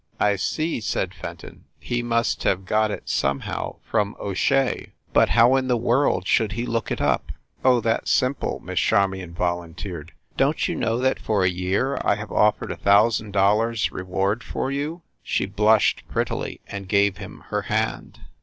"I see," said Fenton. "He must have got it, somehow, from O Shea. But how in the world should he look it up?" "Oh, that s simple," Miss Charmion volunteered. "Don t you know that for a year I have offered a thousand dollars reward for you?" She blushed prettily, and gave him her hand.